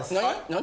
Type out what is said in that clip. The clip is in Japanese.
何？